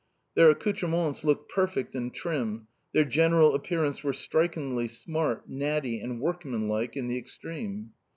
Their accoutrements looked perfect and trim, their general appearance was strikingly smart, natty, and workmanlike in the extreme.